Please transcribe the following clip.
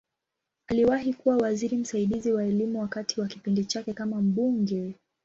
Aliwahi kuwa waziri msaidizi wa Elimu wakati wa kipindi chake kama mbunge.